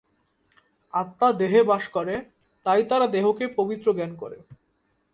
আত্মা দেহে বাস করে তাই তারা দেহকে পবিত্র জ্ঞান করে।